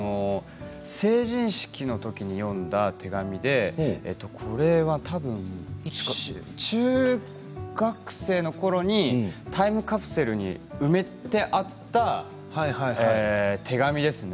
成人式のときに読んだ手紙でこれはたぶん、中学生のときにタイムカプセルに埋めてあった手紙ですね。